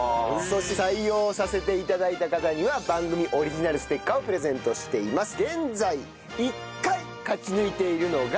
そして採用させて頂いた方には番組オリジナルステッカーをプレゼントしています。